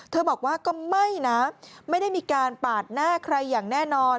บอกว่าก็ไม่นะไม่ได้มีการปาดหน้าใครอย่างแน่นอน